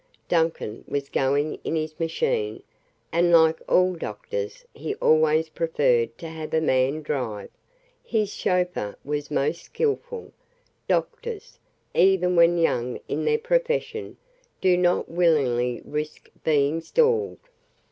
Duncan was going in his machine, and, like all doctors, he always preferred to have a man drive his chauffeur was most skilful doctors, even when young in their profession, do not willingly risk being stalled.